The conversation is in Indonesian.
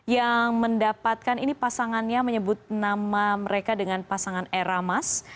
yang mendapatkan ini pasangannya menyebut nama mereka dengan pasangan era mas